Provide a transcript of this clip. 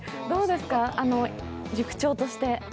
どうですか、塾長として？